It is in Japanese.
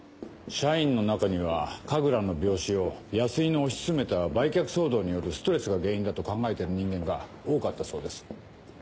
社員の中には神楽の病死を安井の推し進めた売却騒動によるストレスが原因だと考えてる人間が多かったそうです。